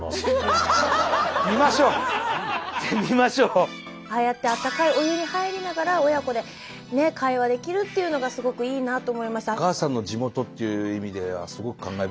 これにてああやってあったかいお湯に入りながら親子で会話できるっていうのがすごくいいなと思いました。